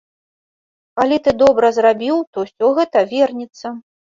Калі ты добра зрабіў, то ўсё гэта вернецца.